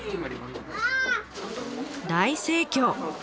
大盛況！